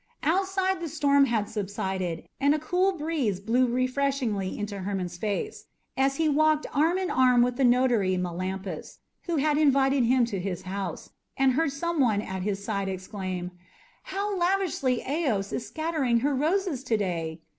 Outside the storm had subsided, and a cool breeze blew refreshingly into Hermon's face. As he walked arm in arm with the notary Melampus, who had invited him to his house, and heard some one at his side exclaim, "How lavishly Eos is scattering her roses to day!"